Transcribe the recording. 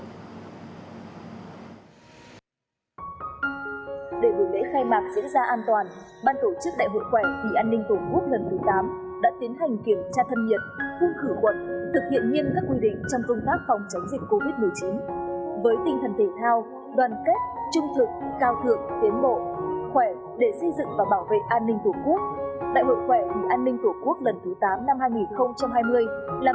để buổi lễ khai mạc diễn ra an toàn ban tổ chức đại hội khỏe vì an ninh tổ quốc lần thứ tám đã tiến hành kiểm tra thân nhiệt khung khử quận thực hiện nghiên các quy định trong công tác phòng chống dịch covid một mươi chín